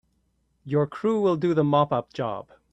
Your crew will do the mop up job.